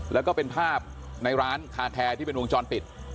แล้วก็เป็นภาพในร้านคาแคร์ที่เป็นวงจรปิด